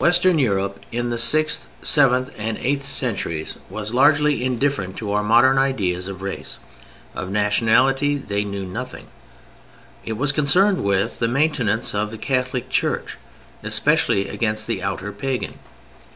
Western Europe in the sixth, seventh, and eighth centuries was largely indifferent to our modern ideas of race. Of nationality it knew nothing. It was concerned with the maintenance of the Catholic Church especially against the outer Pagan.